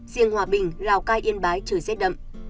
riêng hòa bình lào cai yên bái trời rét đậm